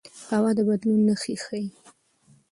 هوا د بدلون نښې ښيي